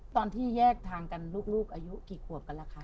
ตอนที่แยกทางกันลูกอายุกี่ขวบกันล่ะคะ